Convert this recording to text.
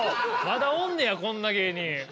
まだおんねやこんな芸人。